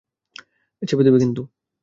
চেপে দেবো কিন্তু।